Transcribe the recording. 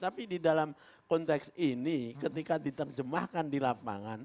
tapi di dalam konteks ini ketika diterjemahkan di lapangan